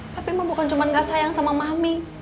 papih mah bukan cuma gak sayang sama mami